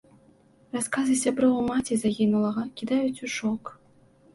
Расказы сяброў і маці загінулага кідаюць у шок.